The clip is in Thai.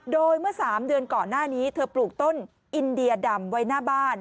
โดยเมื่อ๓เดือนก่อนหน้านี้เธอปลูกต้นอินเดียดำไว้หน้าบ้าน